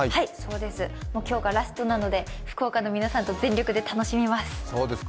今日がラストなので福岡の皆さんと楽しみます。